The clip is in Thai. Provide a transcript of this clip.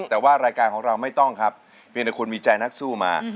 แต่ว่ารายการของเราไม่ต้องครับเพียงแต่คนมีใจนักสู้มา